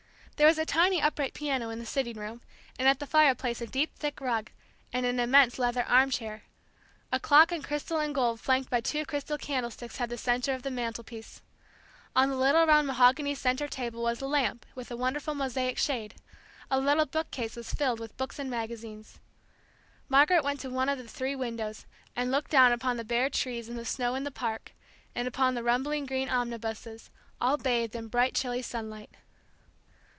There was a tiny upright piano in the sitting room, and at the fireplace a deep thick rug, and an immense leather arm chair. A clock in crystal and gold flanked by two crystal candlesticks had the centre of the mantelpiece. On the little round mahogany centre table was a lamp with a wonderful mosaic shade; a little book case was filled with books and magazines. Margaret went to one of the three windows, and looked down upon the bare trees and the snow in the park, and upon the rumbling green omnibuses, all bathed in bright chilly sunlight.